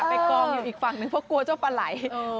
ไปกองอยู่อีกฝั่งนึงเพราะกลัวจะปะไหล่